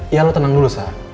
ya lo tenang dulu sah